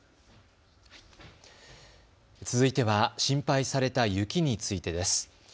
続いては心配された雪についてです。